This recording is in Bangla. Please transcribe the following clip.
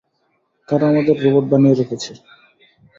তারা আমাদের রোবট বানিয়ে রেখেছে।